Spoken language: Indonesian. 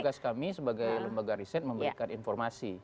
tugas kami sebagai lembaga riset memberikan informasi